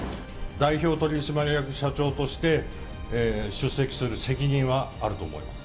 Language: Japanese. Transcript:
代表取締役社長として、出席する責任はあると思います。